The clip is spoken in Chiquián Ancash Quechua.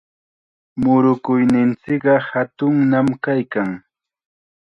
Murukuyninchikqa hatunnam kaykan.